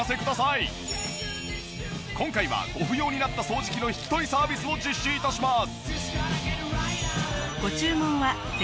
今回はご不要になった掃除機の引き取りサービスも実施致します。